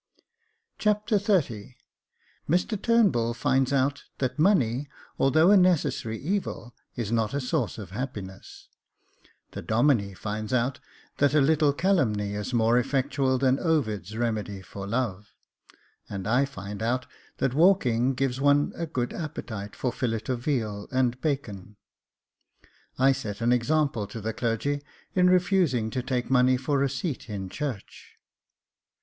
Chapter XXX Mr Turnbull finds out that money, although a necessary evil, is not a source of happiness — The Domine finds out that a little calumny is more effectual than Ovid's remedy for love ; and I find out that walking gives one a good appetite for fillet of veal and bacon — I set an example to the clergy in refusing to take money for a seat in church.